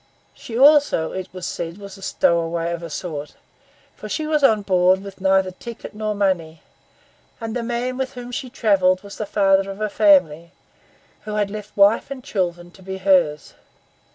She also, it was said, was a stowaway of a sort; for she was on board with neither ticket nor money; and the man with whom she travelled was the father of a family, who had left wife and children to be hers.